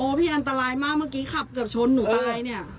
พี่อันตรายมากเมื่อกี้ขับเกือบชนหนูตายเนี่ย